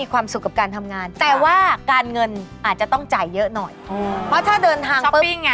ดุ่มสาวนะคะที่เกิดเดือนต่อไปนี้เนี่ย